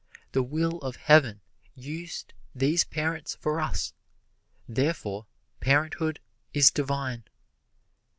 The will of Heaven used these parents for us, therefore parenthood is divine.